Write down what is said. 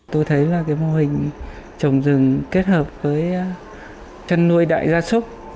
tôi thấy là cái mô hình trồng rừng kết hợp với chăn nuôi đại gia súc